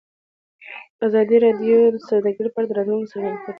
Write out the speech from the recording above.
ازادي راډیو د سوداګري په اړه د راتلونکي هیلې څرګندې کړې.